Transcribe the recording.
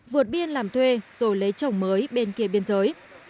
vượt biên làm thuê rồi lấy chồng mới bên kia biên giới